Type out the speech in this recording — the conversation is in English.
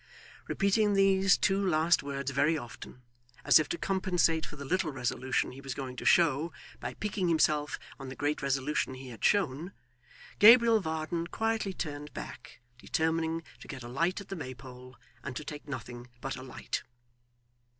Repeating these two last words very often, as if to compensate for the little resolution he was going to show by piquing himself on the great resolution he had shown, Gabriel Varden quietly turned back, determining to get a light at the Maypole, and to take nothing but a light.